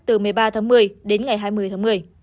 từ một mươi ba tháng một mươi đến ngày hai mươi tháng một mươi